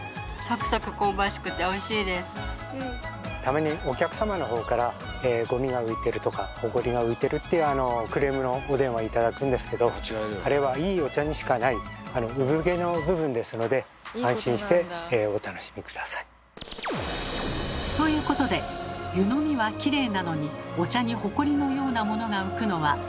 たまにお客様の方から「ゴミが浮いてる」とか「ホコリが浮いてる」っていうクレームのお電話頂くんですけどあれはいいお茶にしかない産毛の部分ですので安心してお楽しみ下さい。ということでそらもうと思った時。